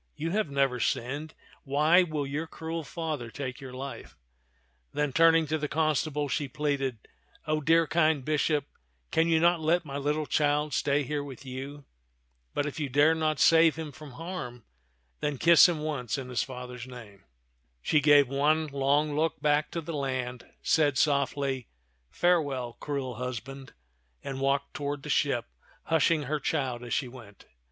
You have never sinned; why will your cruel father take your life ?" Then turn ing to the constable, she pleaded, " O dear kind bishop, can you not let my little child stay here with you ? But if you dare not save him from harm, then kiss him once in his father's name." She gave one long look back ^o 't^t (man of ^CiW& tak to the land, said softly, " Farewell, cruel husband !" and walked toward the ship, hushing her child as she went.